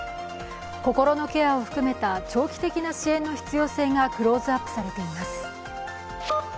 心のケアを含めた長期的な支援の必要性がクローズアップされています。